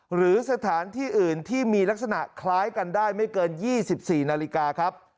หรือสถานที่อื่นที่มีลักษณะคล้ายกันได้ไม่เกิน๒๔นาฬิกาครับ